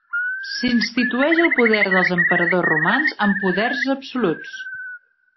S'institueix el poder dels emperadors romans amb poders absoluts.